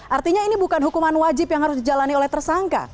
artinya ini bukan hukuman wajib yang harus dijalani oleh tersangka